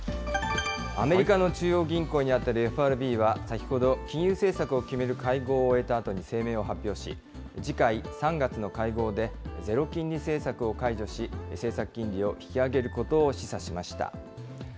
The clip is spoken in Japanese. アメリカの中央銀行に当たるＦＲＢは先ほど、金融政策を決める会合を終えたあとに声明を発表し、次回、３月の会合でゼロ金利政策を解除し、政策金利を引き上げることを示唆しました。